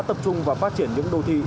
tập trung và phát triển những đô thị